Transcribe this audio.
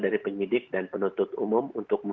dari penyidik dan penutup umum